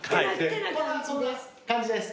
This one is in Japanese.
こんな感じです。